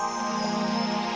kamu mau nunggu